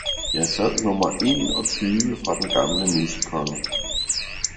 »Jeg sad Nummer een og tyve fra den gamle Musekonge.